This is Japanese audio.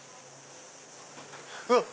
うわっ！